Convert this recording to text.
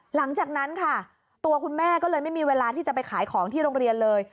หลังจากนั้นค่ะตัวคุณแม่ก็เลยไม่มีเวลาที่จะไปขายของที่โรงเรียนเลย